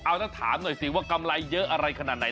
เอาแล้วถามหน่อยสิว่ากำไรเยอะอะไรขนาดไหน